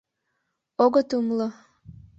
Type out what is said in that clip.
Огыт умыло.